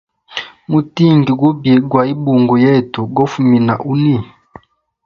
Mutingi gubi gwaibungo yetu gofumina huni.